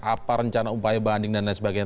apa rencana upaya banding dan lain sebagainya